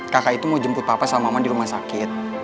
kakak itu mau jemput papa sama mama di rumah sakit